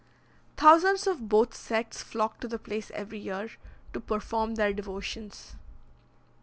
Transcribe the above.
Thousands of both sects flock to the place every year, to perform their devotions.